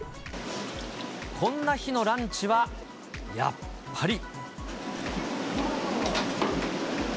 こんな日のランチは、やっぱり。